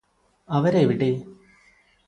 അവരെവിടെ